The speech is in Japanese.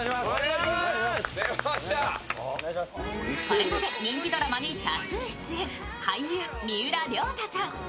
これまで人気ドラマに多数出演、俳優・三浦りょう太さん